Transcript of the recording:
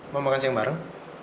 mau makan siang bareng